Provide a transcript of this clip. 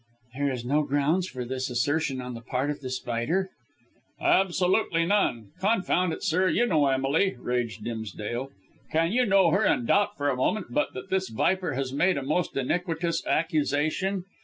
"There is no grounds for this assertion on the part of The Spider?" "Absolutely none. Confound it, sir, you know Emily," raged Dimsdale. "Can you know her and doubt for a moment but that this viper has made a most iniquitous accusation?